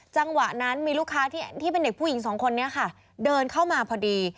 จังหวะนั้นมีลูกค้าที่เป็นเด็กผู้หญิงสองคนนี้ค่ะเดินเข้ามาพอดี